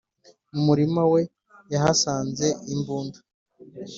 mu murima we yahasanze imbunda